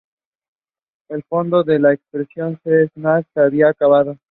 Los fondos de la expedición de Shackleton se habían acabado.